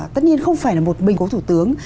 tất nhiên không phải là một mình cố thủ tướng